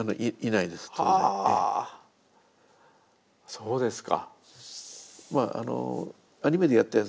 そうですか。